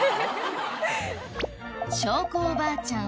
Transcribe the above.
召子おばあちゃん